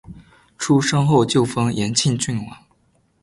出生后就封延庆郡王。